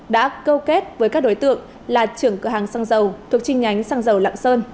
đã câu kết với các đối tượng là trưởng cửa hàng xăng dầu thuộc chi nhánh xăng dầu lạng sơn